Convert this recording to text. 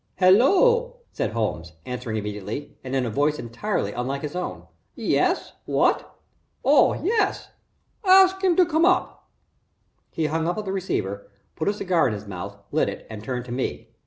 "Hello," said Holmes, answering immediately, and in a voice entirely unlike his own. "Yes what? Oh yes. Ask him to come up." He hung up the receiver, put a cigar in his mouth, lit it, and turned to me.